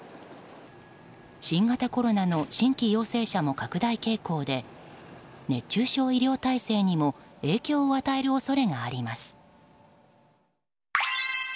新型コロナの新規陽性者も拡大傾向で熱中症医療体制にも影響を与える恐れがあります。